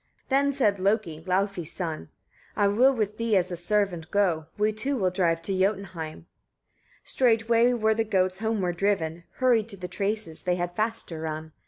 Then said Loki, Laufey's son: "I will with thee as a servant go: we two will drive to Jotunheim." 22. Straightway were the goats homeward driven, hurried to the traces; they had fast to run.